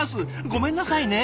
ごめんなさいね。